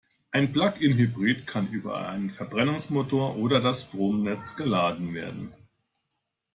Ein Plug-in-Hybrid kann über einen Verbrennungsmotor oder das Stromnetz geladen werden.